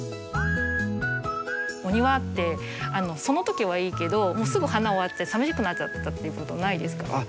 お庭ってその時はいいけどすぐ花終わってさみしくなっちゃったっていうことないですか？